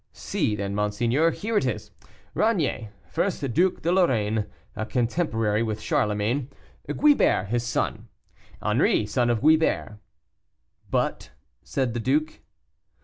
See, then, monseigneur, here it is. Ranier, first Duc de Lorraine, contemporary with Charlemagne; Guibert, his son; Henri, son of Guibert " "But " said the duke.